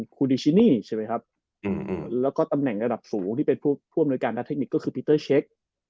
ครูดิชินี่ใช่ไหมครับแล้วก็ตำแหน่งระดับสูงที่เป็นผู้อำนวยการนักเทคนิคก็คือปีเตอร์เช็ค